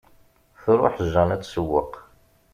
Truḥ Jane ad tsewweq.